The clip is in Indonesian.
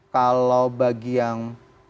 kalau bagi yang